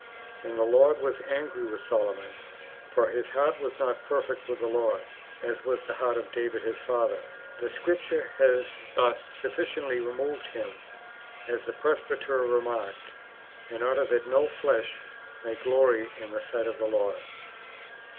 And the Lord was angry with Solomon ; for his heart was not perfect with the Lord, as was the heart of David his father."^ The Scripture has thus sufficiently reproved him, as the presbyter remarked, in order that no flesh may glory in the sight of the Lord.